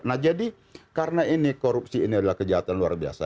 nah jadi karena ini korupsi ini adalah kejahatan luar biasa